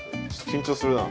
緊張するな。